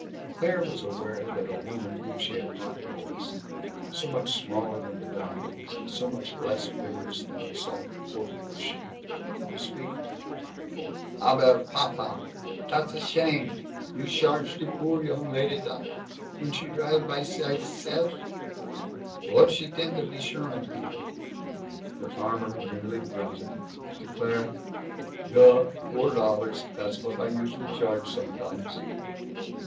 Claire was aware that a woman whom she had not noticed so much smaller than the dumplings, so much less vigorous than the salt pork was she was speaking: "Aber, papa, dot's a shame you sharge de poor young lady dot, when she drive by sei self. Vot she t'ink of de Sherman people?" The farmer merely grunted. To Claire, "Yuh, four dollars. Dot's what I usually charge sometimes."